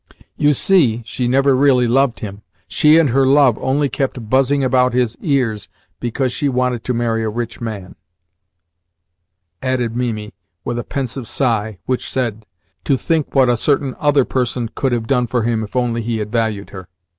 "You see, she never really loved him she and her love only kept buzzing about his ears because she wanted to marry a rich man," added Mimi with a pensive sigh which said: "To think what a certain other person could have done for him if only he had valued her!"